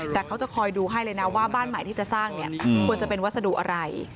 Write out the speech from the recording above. แต่เขาจะคอยดูให้เลยนะว่าบ้านใหม่ที่จะสร้างเนี่ยควรจะเป็นวัสดุอะไร